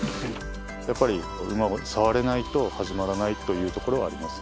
やっぱり馬を触れないと始まらないというところはあります